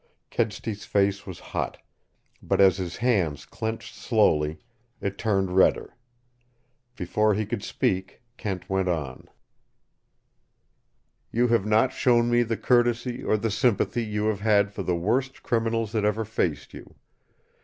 Kedsty's face was hot, but as his hands clenched slowly, it turned redder. Before he could speak, Kent went on. "You have not shown me the courtesy or the sympathy you have had for the worst criminals that ever faced you.